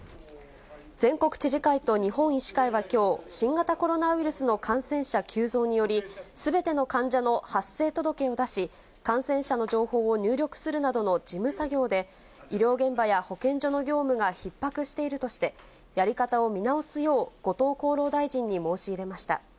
全国知事会と日本医師会はきょう、新型コロナウイルスの感染者急増により、すべての患者の発生届を出し、感染者の情報を入力するなどの事務作業で、医療現場や保健所の業務がひっ迫しているとして、やり方を見直すよう後藤厚労大臣に申し入れました。